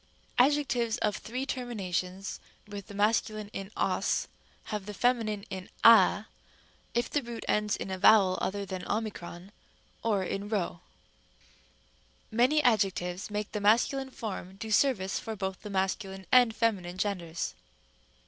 tem. b. Adjectives of three terminations with the masculine in os have the feminine in a, if the root ends in a vowel other than o or in p. Rem. c. Many adjectives make the masculine form do service for both the masculine and feminine genders.